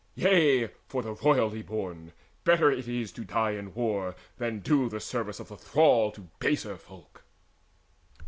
Yea, for the royally born Better it is to die in war, than do The service of the thrall to baser folk.